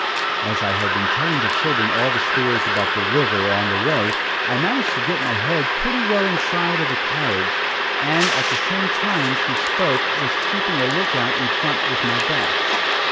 As I had been telling the children all the stories about the river on the way, I managed to get my head pretty well inside of the carriage, and, at the time she spoke, was keeping a lookout in front with my back.